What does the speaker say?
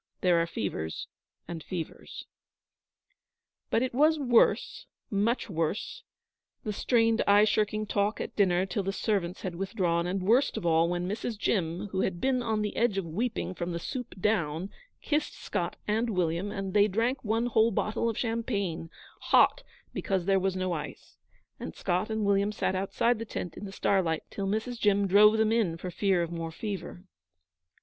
There are fevers and fevers. But it was worse much worse the strained, eye shirking talk at dinner till the servants had withdrawn, and worst of all when Mrs. Jim, who had been on the edge of weeping from the soup down, kissed Scott and William, and they drank one whole bottle of champagne, hot, because there was no ice, and Scott and William sat outside the tent in the starlight till Mrs. Jim drove them in for fear of more fever.